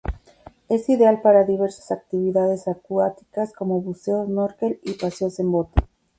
Es ideal para diversas actividades acuáticas como buceo, snorkel y paseos en bote.